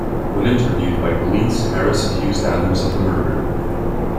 When interviewed by police, Harris accused Adams of the murder.